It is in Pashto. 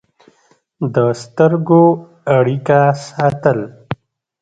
د سترګو اړیکه ساتل